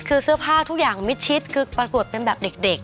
คือเสื้อผ้าทุกอย่างมิดชิดคือปรากฏเป็นแบบเด็ก